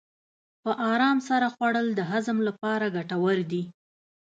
په ارام سره خوړل د هضم لپاره ګټور دي.